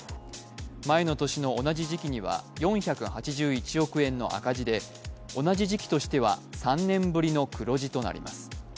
前の年の同じ時期には４８１億円の赤字で、同じ時期としては３年ぶりの黒字となります。